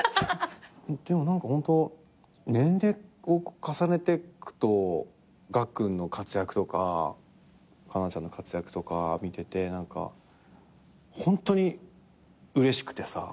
でも何かホント年齢を重ねてくとがっくんの活躍とか環奈ちゃんの活躍とか見ててホントにうれしくてさ。